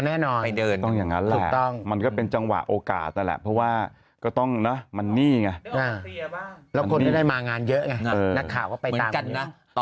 อ๋อแน่นอนต้องอย่างนั้นแหละมันก็เป็นจังหวะโอกาสนั่นแหละเพราะว่าก็ต้องมันนี่ไงแล้วคนก็ได้มางานเยอะไงนักข่าวก็ไปตาม